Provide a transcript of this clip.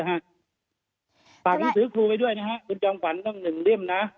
ปากหนังสือครูไปด้วยนะครับคุณจำขวัญต้องหนึ่งเลี่ยมนะ